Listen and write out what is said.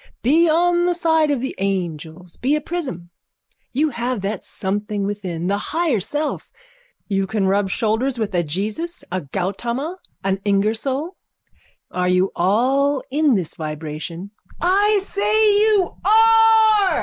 Be on the side of the angels. Be a prism. You have that something within, the higher self. You can rub shoulders with a Jesus, a Gautama, an Ingersoll. Are you all in this vibration? I say you are.